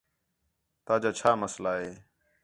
تا جا چھا مسئلہ ہے